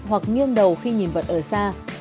hoặc nghiêng đầu khi nhìn vật ở xa